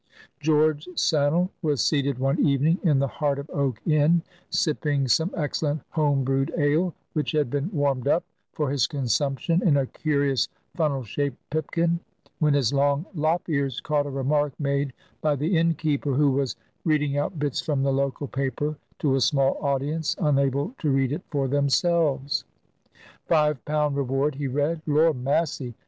George Sannel was seated one evening in the "Heart of Oak" inn, sipping some excellent home brewed ale, which had been warmed up for his consumption in a curious funnel shaped pipkin, when his long lop ears caught a remark made by the inn keeper, who was reading out bits from the local paper to a small audience, unable to read it for themselves. "Five pound reward!" he read. "Lor massy!